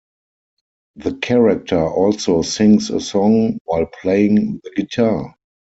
The character also sings a song while playing the guitar.